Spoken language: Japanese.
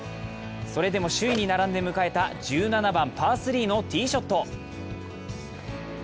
それでも首位に並んで迎えた１７番パー３のティーショット。